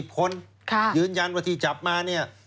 คนยืนยันว่าที่จับมาเนี่ย